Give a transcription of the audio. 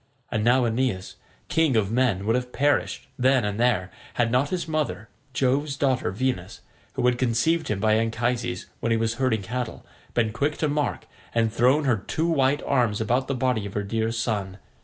And now Aeneas, king of men, would have perished then and there, had not his mother, Jove's daughter Venus, who had conceived him by Anchises when he was herding cattle, been quick to mark, and thrown her two white arms about the body of her dear son.